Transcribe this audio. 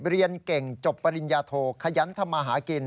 เรียนเก่งจบปริญญาโทขยันทำมาหากิน